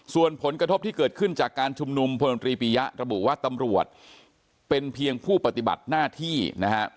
ส่วนผลกระทบที่เกิดขึ้นจากการชุมนุมพลนตรีปียะระบุว่าตำรวจเป็นเพียงผู้ปฏิบัติหน้าที่นะฮะ